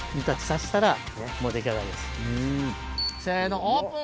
せのオープン！